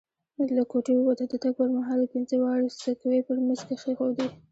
له کوټې ووت، د تګ پر مهال یې پینځه واړه سکوې پر میز کښېښودې.